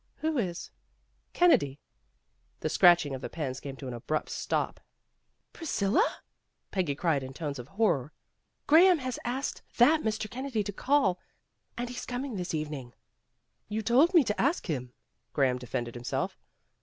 '' "Who is?" "Kennedy." The scratching of the pens came to an abrupt stop. "Priscilla," Peggy cried in tones of horror, "Graham has asked that Mr. Ken 288 PEGGY RAYMOND'S WAY nedy to call and he's coming this evening." "You told me to ask him," Graham de fended himself.